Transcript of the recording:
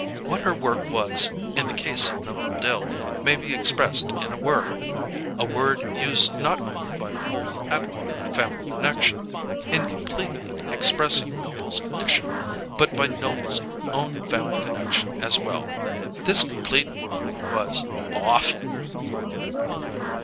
What her work was, in the case of Noble Dill, may be expressed in a word a word used not only by the whole Atwater family connection, in completely expressing Noble's condition, but by Noble's own family connection as well. This complete word was "awful."